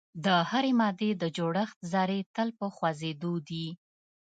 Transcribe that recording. د هرې مادې د جوړښت ذرې تل په خوځیدو دي.